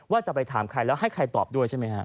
จะไปถามใครแล้วให้ใครตอบด้วยใช่ไหมฮะ